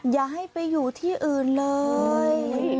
อย่าให้ไปอยู่ที่อื่นเลย